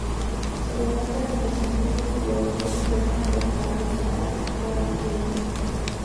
Según otras versiones, sus huesos fueron arrojados al Guadalquivir.